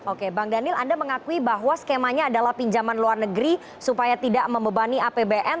oke bang daniel anda mengakui bahwa skemanya adalah pinjaman luar negeri supaya tidak membebani apbn